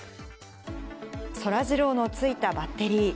そらジローのついたバッテリー。